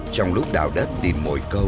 trong lúc đảo đất tìm mồi câu